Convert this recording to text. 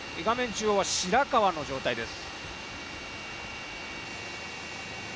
中央は白川の状態です。